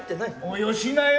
もうよしなよ。